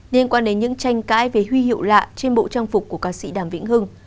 liên quan đến những tranh cãi về huy hiệu lạ trên bộ trang phục của ca sĩ đàm vĩnh hưng